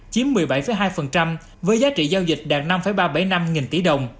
chiếm một mươi bảy hai với giá trị giao dịch đạt năm ba trăm bảy mươi năm nghìn tỷ đồng